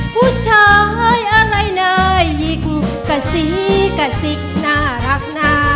ขอเสียงขอซักหน่อยเลย